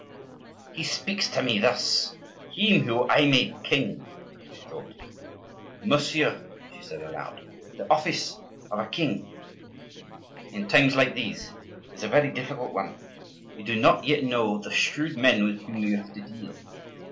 "He speaks to me thus, he whom I made a king!" she thought. "Monsieur," she said aloud, "the office of a king, in times like these, is a very difficult one; you do not yet know the shrewd men with whom you have to deal.